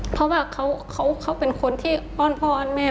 เพราะว่าเขาเป็นคนที่อ้อนพ่ออ้อนแม่